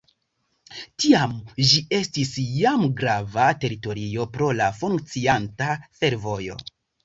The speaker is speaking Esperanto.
Tiam ĝi estis jam grava teritorio pro la funkcianta fervojo.